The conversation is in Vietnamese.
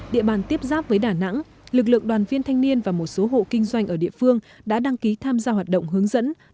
địa bàn tiếp giáp với đà nẵng lực lượng đoàn viên thanh niên và một số hộ kinh doanh ở địa phương đã đăng ký tham gia hoạt động hướng dẫn